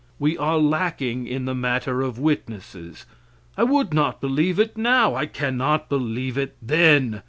We are lacking in the matter of witnesses. I would not believe it now! I cannot believe it then.